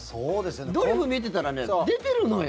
「ドリフ」見てたらね出てるのよ。